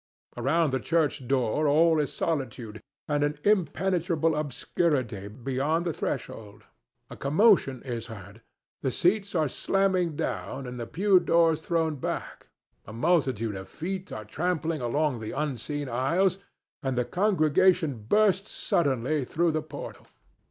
Around the church door all is solitude, and an impenetrable obscurity beyond the threshold. A commotion is heard. The seats are slammed down and the pew doors thrown back; a multitude of feet are trampling along the unseen aisles, and the congregation bursts suddenly through the portal.